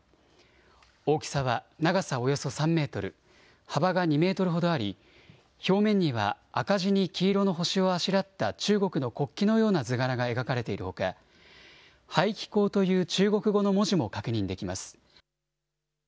大きさは長さおよそ３メートル幅が２メートルほどあり表面には赤地に黄色の星をあしらった中国の国旗のような図柄が描かれているほか排気孔という中国語の文字も確認できます。